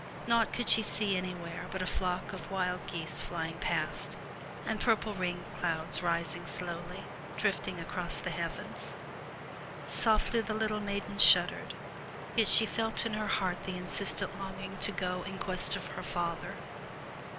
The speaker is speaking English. Naught could she see anywhere save a flock of wild geese fiying past, and purple rain clouds rising slowly, drifting across the heavens. Softly the little maiden shuddered, yet she felt in her heart the insistent longing to go in quest of her father.